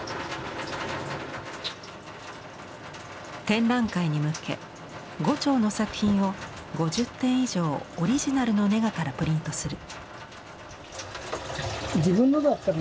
展覧会に向け牛腸の作品を５０点以上オリジナルのネガからプリントする。